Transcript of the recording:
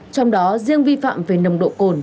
trong đó riêng vi phạm về nồng độ cồn